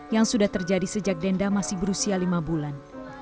yang sudah terjadi sejak denda masih berusia lima bulan